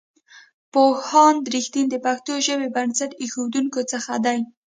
پوهاند رښتین د پښتو ژبې بنسټ ایښودونکو څخه دی.